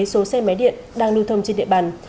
số xe máy điện đang lưu thông trên địa bàn